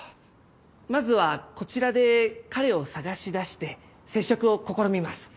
まずはこちらで彼を捜し出して接触を試みます。